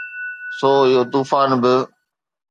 سو اهو طوفان به.